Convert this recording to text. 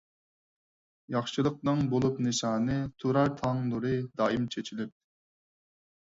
ياخشىلىقنىڭ بولۇپ نىشانى، تۇرار تاڭ نۇرى دائىم چېچىلىپ.